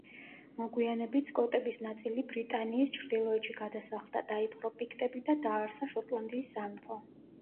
მოგვიანებით სკოტების ნაწილი ბრიტანიის ჩრდილოეთში გადასახლდა, დაიპყრო პიქტები და დააარსა შოტლანდიის სამეფო.